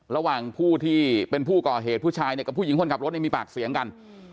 ระหว่างผู้ที่เป็นผู้ก่อเหตุผู้ชายเนี่ยกับผู้หญิงคนขับรถเนี่ยมีปากเสียงกัน